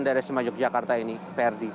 daerah sleman yogyakarta ini prd